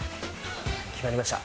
決まりました。